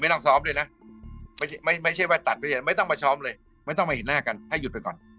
ต้องซ้อมด้วยนะไม่ใช่ว่าตัดไปเรียนไม่ต้องมาซ้อมเลยไม่ต้องมาเห็นหน้ากันให้หยุดไปก่อน